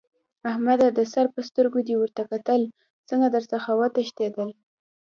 احمده! د سر په سترګو دې ورته کتل؛ څنګه در څخه وتښتېدل؟!